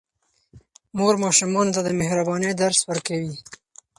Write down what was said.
مور ماشومانو ته د مهربانۍ درس ورکوي.